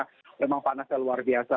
karena memang panasnya luar biasa